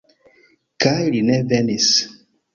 Kaj li ne venis!